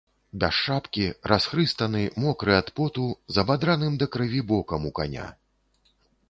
Без шапкі, расхрыстаны, мокры ад поту, з абадраным да крыві бокам у каня.